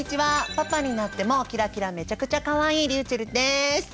パパになってもキラキラめちゃくちゃかわいいりゅうちぇるです。